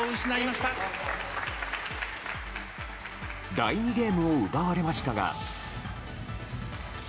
第２ゲームを奪われましたが。